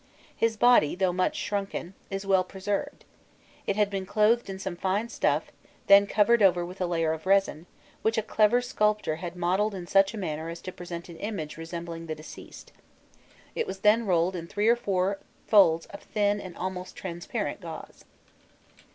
His body, though much shrunken, is well preserved: it had been clothed in some fine stuff, then covered over with a layer of resin, which a clever sculptor had modelled in such a manner as to present an image resembling the deceased; it was then rolled in three or four folds of thin and almost transparent gauze.